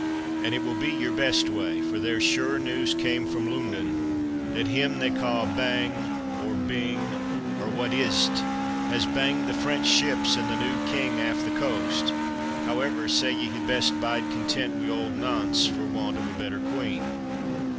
And it will be your best way, for there's sure news come frae Loudoun, that him they ca' Bang, or Byng, or what is't, has bang'd the French ships and the new king aff the coast however; sae ye had best bide content wi' auld Nanse for want of a better Queen."